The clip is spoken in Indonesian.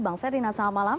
bang ferdinand selamat malam